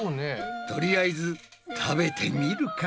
とりあえず食べてみるか。